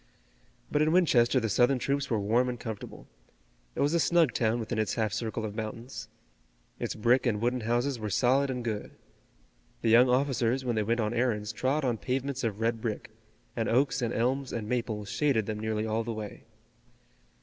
But in Winchester the Southern troops were warm and comfortable. It was a snug town within its half circle of mountains. Its brick and wooden houses were solid and good. The young officers when they went on errands trod on pavements of red brick, and oaks and elms and maples shaded them nearly all the way.